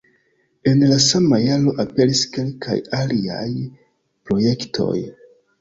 En la sama jaro aperis kelkaj aliaj projektoj.